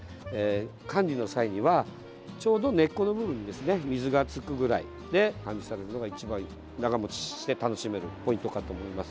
管理の際にはちょうど根っこの部分ですね水がつくぐらいで管理されるのが一番長持ちして楽しめるポイントかと思います。